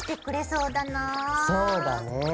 そうだね。